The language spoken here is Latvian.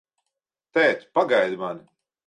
Tēt, pagaidi mani!